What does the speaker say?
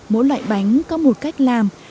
mỗi loại bánh có một cách làm